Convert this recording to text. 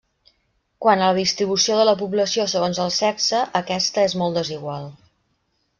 Quant a la distribució de la població segons el sexe, aquesta és molt desigual.